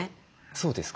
そうですか？